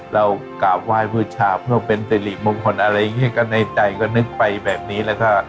เรากราบไหว้บูชาเพื่อเป็นสิริมงคลอะไรอย่างนี้ก็ในใจก็นึกไปแบบนี้แล้วก็